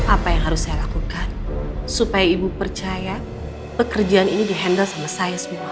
apa yang harus saya lakukan supaya ibu percaya pekerjaan ini di handle sama saya semua